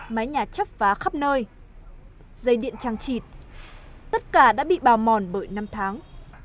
máy nhà chấp phá khắp nơi dây điện trang trịt tất cả đã bị bào mòn bởi năm tháng